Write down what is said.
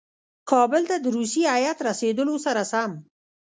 کابل ته د روسي هیات رسېدلو سره سم.